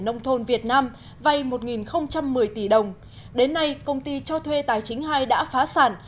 nông thôn việt nam vay một một mươi tỷ đồng đến nay công ty cho thuê tài chính hai đã phá sản